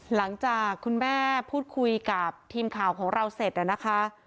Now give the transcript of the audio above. หลังจากคุณแม่พูดคุยกับทีมข่าวของเราเสร็จนะคะ